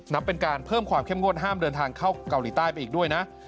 เป็นการเพิ่มความเข้มงวดห้ามเดินทางเข้าเกาหลีใต้ไปอีกด้วยนะ